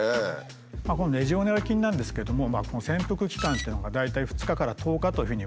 このレジオネラ菌なんですけども潜伏期間っていうのが大体２日から１０日というふうにいわれてます。